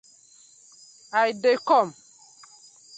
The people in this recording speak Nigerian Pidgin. I dey kom.